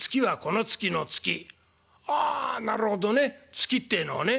月ってえのはね」。